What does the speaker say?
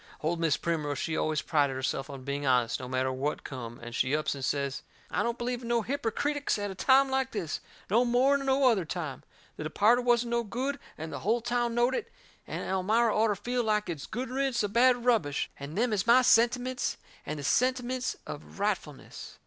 Old Mis' Primrose, she always prided herself on being honest, no matter what come, and she ups and says: "I don't believe in no hippercritics at a time like this, no more'n no other time. The departed wasn't no good, and the hull town knowed it; and Elmira orter feel like it's good riddance of bad rubbish and them is my sentiments and the sentiments of rightfulness."